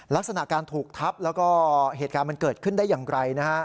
ลักษณะการถูกทับแล้วก็เหตุการณ์มันเกิดขึ้นได้อย่างไรนะฮะ